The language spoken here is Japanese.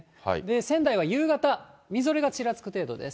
仙台は夕方、みぞれがちらつく程度です。